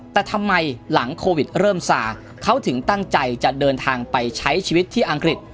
แต่ทำไมหลังโควิดเริ่มซาเขาถึงตั้งใจจะเดินทางไปใช้ชีวิตที่อังกฤษ